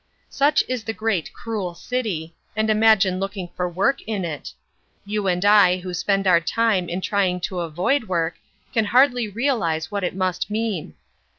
Such is the great cruel city, and imagine looking for work in it. You and I who spend our time in trying to avoid work can hardly realise what it must mean.